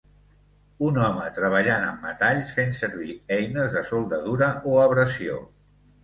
Un home treballant amb metalls fent servir eines de soldadura o abrasió.